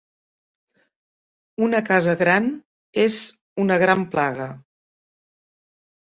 Una casa gran és una gran plaga.